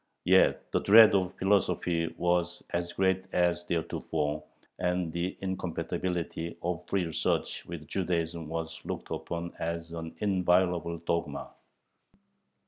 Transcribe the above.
Yet the dread of philosophy was as great as theretofore, and the incompatibility of free research with Judaism was looked upon as an inviolable dogma.